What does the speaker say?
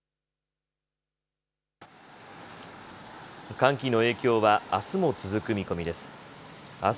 寒気の影響はあすも続く見込みです。